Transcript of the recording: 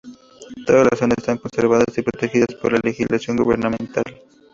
Todas las zonas están conservadas y protegidas por la legislación gubernamental.